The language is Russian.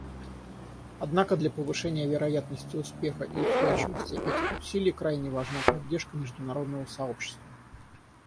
Однако для повышения вероятности успеха и устойчивости этих усилий крайне важна поддержка международного сообщества.